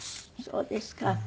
そうですか。